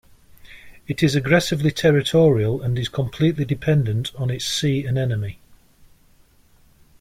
It is aggressively territorial and is completely dependent on its sea anemone.